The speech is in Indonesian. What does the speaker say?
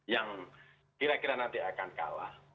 yang kira kira nanti akan kalah